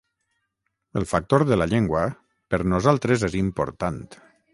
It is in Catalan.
El factor de la llengua per nosaltres és important.